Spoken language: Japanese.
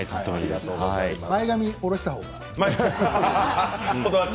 前髪おろしたほうが。